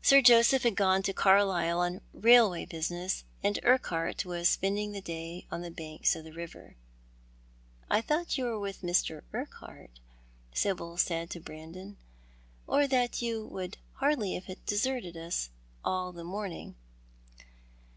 Sir Joseph had gone to Carlisle on railway business, and Urquhart was spending the day on the banks of the river. " I thought you were with Mr. Urquhart," Sibyl said to Brandon, " or that you would hardly have deserted us all the morning."